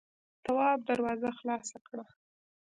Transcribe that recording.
تواب دروازه خلاصه کړه.